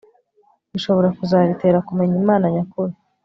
bishobora kuzabitera kumenya imana nyakuri